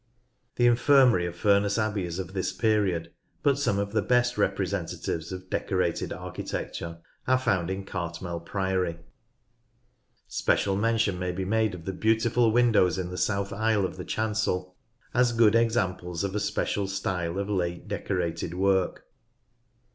The infirmary of Furness Abbey is of this period, but some of the best representatives of Decorated architecture are found in 128 NORTH LANCASHIRE Cartmel Priory. Special mention may be made of the beautiful windows in the south aisle of the chancel, as good examples of a special style of late Decorated work.